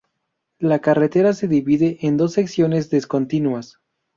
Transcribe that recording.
La carretera se divide en dos secciones discontinuas.